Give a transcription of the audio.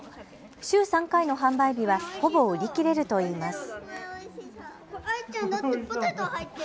週３回の販売日はほぼ売り切れるといいます。